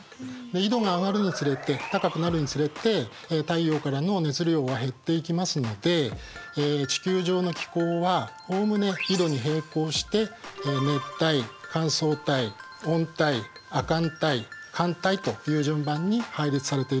緯度が上がるにつれて高くなるにつれて太陽からの熱量は減っていきますので地球上の気候はおおむね緯度に並行して熱帯乾燥帯温帯亜寒帯寒帯という順番に配列されているんです。